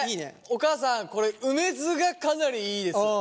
お母さんこれ梅酢がかなりいいですよ。